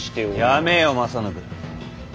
やめよ正信。